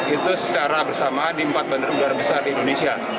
itu secara bersamaan di empat bandara besar di indonesia